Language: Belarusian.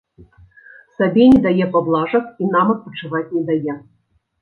Сабе не дае паблажак і нам адпачываць не дае.